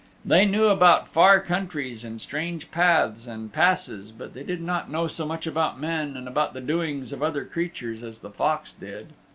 They knew about far countries, and strange paths and passes, but they did not know so much about men and about the doings of other creatures as the Fox did.